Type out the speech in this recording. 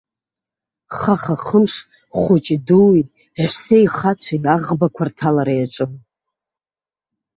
Хаха-хымш хәыҷи-дуи ҳәсеи-хацәеи аӷбақәа рҭалара иаҿын.